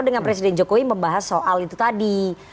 dengan presiden jokowi membahas soal itu tadi